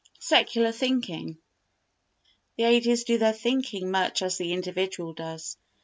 Secular Thinking The ages do their thinking much as the individual does.